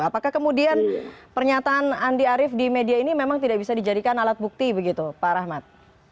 apakah kemudian pernyataan andi arief di media ini memang tidak bisa dijadikan alat bukti begitu pak rahmat